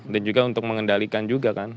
dan juga untuk mengendalikan juga kan